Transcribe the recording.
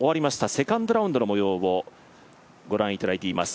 セカンドラウンドのもようをご覧いただいています。